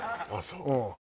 ああそう？